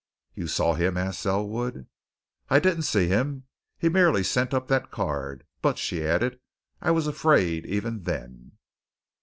"You saw him?" asked Selwood. "I didn't see him. He merely sent up that card. But," she added, "I was afraid even then."